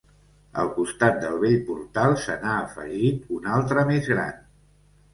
Al costat del vell portal se n'ha afegit un altre més gran.